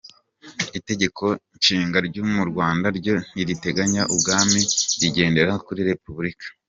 Itegeko nshinga ry’u Rwanda ryo ntiriteganya ubwami rigendera kuri repubulika.